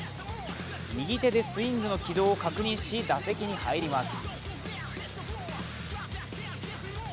右手でスイングの軌道を確認し、打席に入ります。